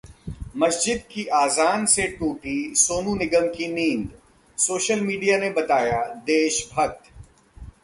मस्जिद की अजान से टूटी सोनू निगम की नींद, सोशल मीडिया ने बताया 'देशभक्त'